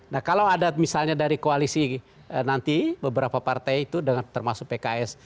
nah kalau ada misalnya dari koalisi nanti beberapa partai itu termasuk pks